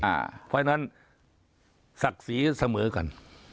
เพราะฉะนั้นศักดิ์ศรีเสมอกัน